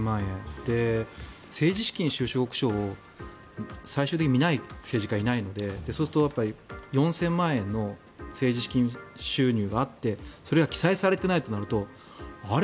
で、政治資金収支報告書を最終的に見ない政治家はいないのでそうすると４０００万円の政治資金収入があってそれが記載されていないとなるとあれ？